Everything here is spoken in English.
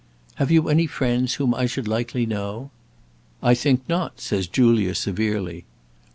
'Have you any friends whom I should likely know?' 'I think not,' says Julia, severely.